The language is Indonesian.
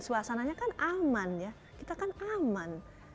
suasananya kan aman ya kita kan aman